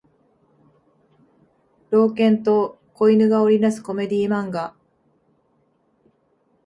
老人と子犬が織りなすコメディ漫画